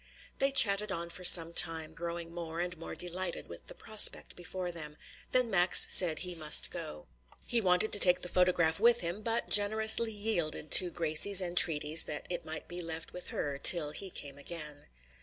They chatted on for some time, growing more and more delighted with the prospect before them; then Max said he must go. He wanted to take the photograph with him, but generously yielded to Gracie's entreaties that it might be left with her till he came again.